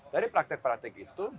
dari praktik praktik itu